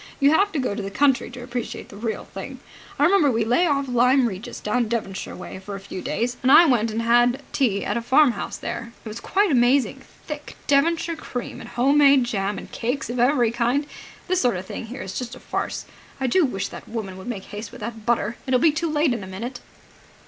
"You have to go to the country to appreciate the real thing. I remember we lay off Lyme Regis down Devonshire way, for a few days, and I went and had tea at a farmhouse there. It was quite amazing! Thick Devonshire cream and home made jam and cakes of every kind. This sort of thing here is just a farce. I do wish that woman would make haste with that butter. It'll be too late in a minute."